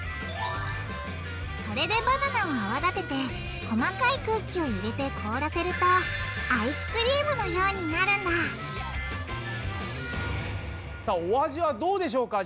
それでバナナを泡だてて細かい空気を入れて凍らせるとアイスクリームのようになるんださあお味はどうでしょうか？